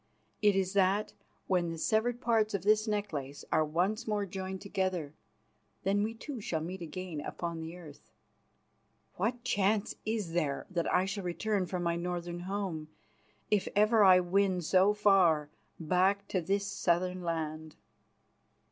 It is that when the severed parts of this necklace are once more joined together, then we two shall meet again upon the earth." "What chance is there that I shall return from my northern home, if ever I win so far, back to this southern land?"